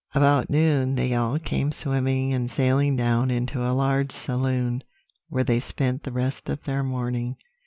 "About noon they all came swimming and sailing down into a large saloon, where they spent the rest of their morning.